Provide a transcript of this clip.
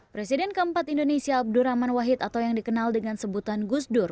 presiden keempat indonesia abdurrahman wahid atau yang dikenal dengan sebutan gusdur